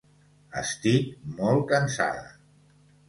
Estic molt cansada